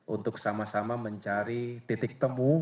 untuk sama sama mencari titik temu